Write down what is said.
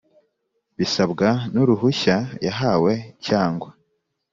bisabwa n uruhushya yahawe cyangwa